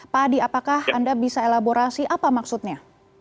pak adi apakah anda bisa elaborasi apa maksudnya